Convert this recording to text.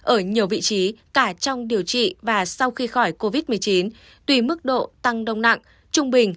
ở nhiều vị trí cả trong điều trị và sau khi khỏi covid một mươi chín tùy mức độ tăng đông nặng trung bình